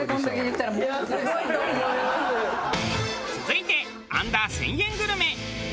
続いてアンダー１０００円グルメ。